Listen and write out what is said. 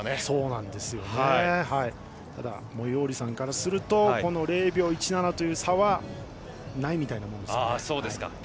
そうですね、ただモイオーリさんからするとこの０秒１７という差はないようなものですね。